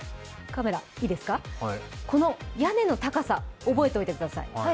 この屋根の高さを覚えておいてください。